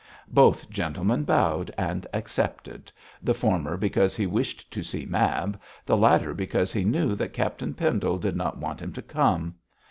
Both gentlemen bowed and accepted, the former because he wished to see Mab, the latter because he knew that Captain Pendle did not want him to come.